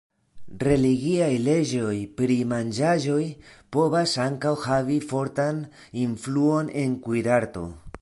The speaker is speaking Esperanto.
Religiaj leĝoj pri manĝaĵoj povas ankaŭ havi fortan influon en kuirarto.